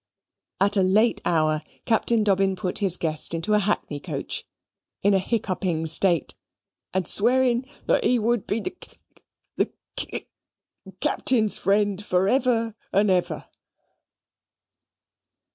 At a late hour Captain Dobbin put his guest into a hackney coach, in a hiccupping state, and swearing that he would be the kick the kick Captain's friend for ever and ever.